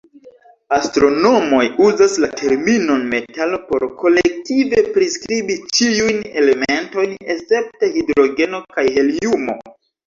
Astronomoj uzas la terminon "metalo" por kolektive priskribi ĉiujn elementojn escepte hidrogeno kaj heliumo.